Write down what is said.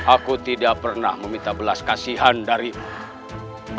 aku tidak pernah meminta belas kasihan darimu